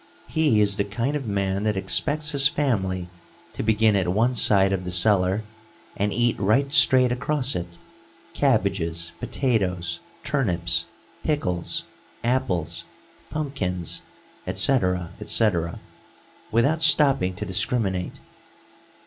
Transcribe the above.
He is the kind of man that expects his family to begin at one side of the cellar and eat right straight across, it cabbages, potatoes, turnips, pickles, apples, pumpkins, etc., etc., without stopping to discriminate.